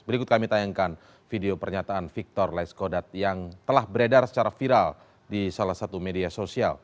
berikut kami tayangkan video pernyataan victor laiskodat yang telah beredar secara viral di salah satu media sosial